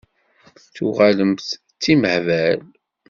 Tuɣalemt d timehbal?